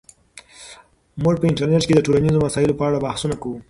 موږ په انټرنیټ کې د ټولنیزو مسایلو په اړه بحثونه کوو.